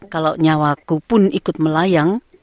kalau nyawaku pun ikut melayang